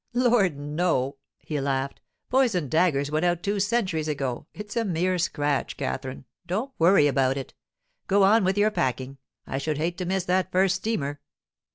'Lord, no!' he laughed. 'Poisoned daggers went out two centuries ago—it's a mere scratch, Katherine; don't worry about it. Go on with your packing—I should hate to miss that first steamer.